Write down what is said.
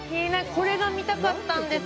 これが見たかったんです。